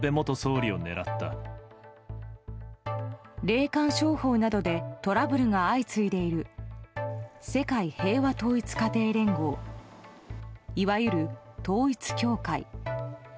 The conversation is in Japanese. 霊感商法などでトラブルが相次いでいる世界平和統一家庭連合いわゆる統一教会。